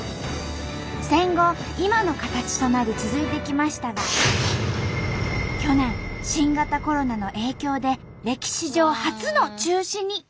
戦後今の形となり続いてきましたが去年新型コロナの影響で歴史上初の中止に。